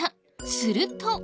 すると。